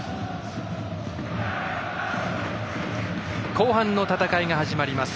後半の戦いが始まります。